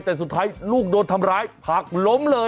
แต่สุดท้ายลูกโดนทำร้ายผักล้มเลย